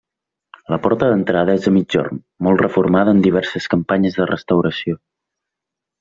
La porta d'entrada és a migjorn, molt reformada en diverses campanyes de restauració.